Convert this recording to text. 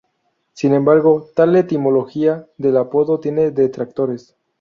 Sin embargo, tal etimología del apodo tiene detractores.